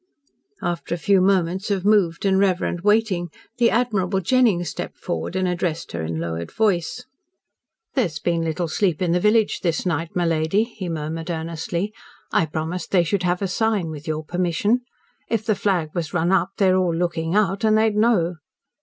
After a few moments of moved and reverent waiting, the admirable Jennings stepped forward and addressed her in lowered voice. "There's been little sleep in the village this night, my lady," he murmured earnestly. "I promised they should have a sign, with your permission. If the flag was run up they're all looking out, and they'd know."